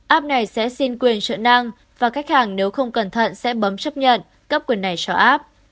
app này sẽ xin quyền trợ năng và khách hàng nếu không cẩn thận sẽ bấm chấp nhận cấp quyền này cho app